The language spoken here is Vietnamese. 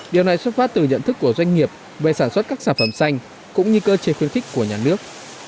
điều này xuất phát từ nhận thức của doanh nghiệp về sản xuất các sản phẩm xanh cũng như cơ chế khuyến khích của nhà nước